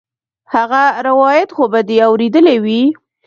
هغه روايت خو به دې اورېدلى وي.